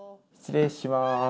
失礼します。